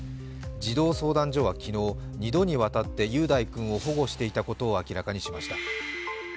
児童相談所は昨日２度にわたって保護していたことを明らかにしました。